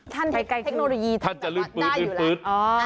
เทคโนโลยีท่านจะได้อยู่แล้ว